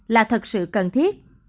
là thật sự cần thiết